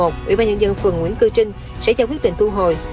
tp hcm phần nguyễn cư trinh sẽ cho quyết định thu hồi